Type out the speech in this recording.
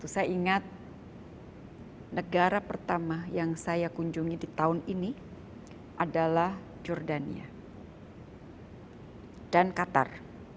saya ingat negara pertama yang saya kunjungi di tahun ini adalah jordania dan qatar